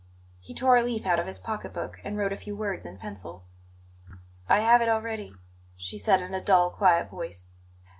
He tore a leaf out of his pocket book and wrote a few words in pencil. "I have it already," she said in a dull, quiet voice.